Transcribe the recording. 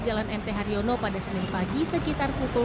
jalan mt haryono pada senin pagi sekitar pukul delapan empat puluh